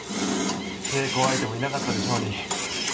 稽古相手もいなかったでしょうに。